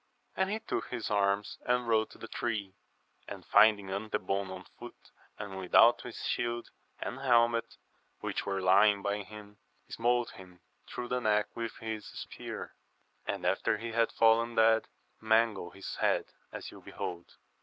And he took his arms and rode to the tree, and finding Antebon on foot and without his shield and helmet, which were lying by him, smote him through the neck with his spear; and after he had fallen dead, mangled his head as you behold.